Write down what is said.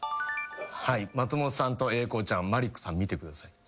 松本さんと英孝ちゃんマリックさん見てください。